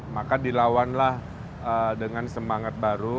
maka dilawanlah dengan semangat baru